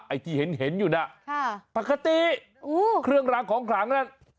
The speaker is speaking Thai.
ไอ้ที่เห็นอยู่น่ะค่ะปกติเครื่องรางของขลังนั่น